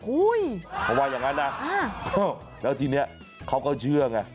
เขาว่าอย่างนั้นนะแล้วทีนี้เขาก็เชื่อไง